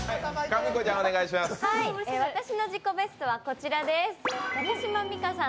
私の自己ベストはこちらです。